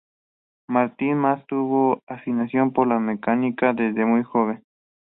Martin Mas tuvo afición por la mecánica desde muy joven.